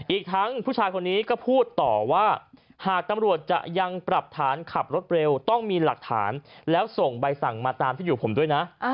อีกทั้งผู้ชายคนนี้ก็พูดต่อว่าหากตำรวจจะยังปรับฐานขับรถเร็วต้องมีหลักฐานแล้วส่งใบสั่งมาตามที่อยู่ผมด้วยนะ